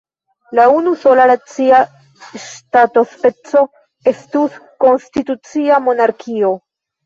La unusola racia ŝtatospeco estus konstitucia monarkio.